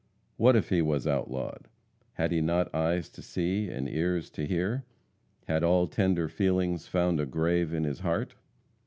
What if he was outlawed? Had he not eyes to see and ears to hear? Had all tender feelings found a grave in his heart?